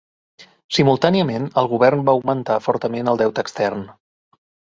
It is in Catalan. Simultàniament el govern va augmentar fortament el deute extern.